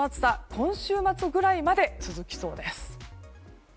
今週末くらいまで続きそうです。